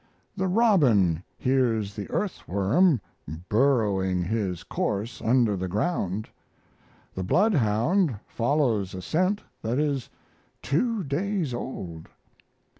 The robin hears the earthworm burrowing his course under the ground; the bloodhound follows a scent that is two days old.